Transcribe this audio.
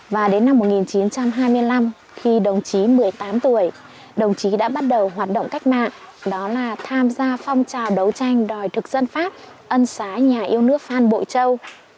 và đến năm một nghìn chín trăm hai mươi năm khi đồng chí một mươi tám tuổi đồng chí đã bắt đầu hoạt động cách mạng đó là tham gia phong trào đấu tranh đòi thực dân pháp ân xá nhà yêu nước phan bộ châu